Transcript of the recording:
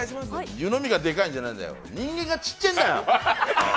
湯飲みがでかいんじゃないんだよ、人間がちっちぇんだよ！